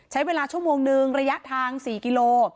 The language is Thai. ใช้เวลาชั่วโมงนึงระยะทาง๔กิโล